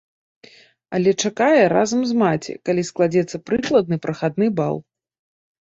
Але чакае разам з маці, калі складзецца прыкладны прахадны бал.